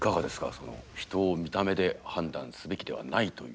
その人を見た目で判断すべきではないという。